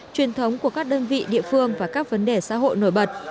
truyền thống của các đơn vị địa phương và các vấn đề xã hội nổi bật